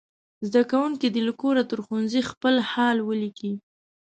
زده کوونکي دې له کوره تر ښوونځي خپل حال ولیکي.